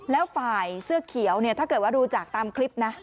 แล้วฝ่ายเสื้อเขียวเนี่ยถ้าเกิดว่าดูจากตามคลิปนะ